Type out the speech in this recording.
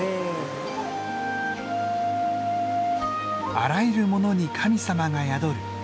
「あらゆるものに神様が宿る」。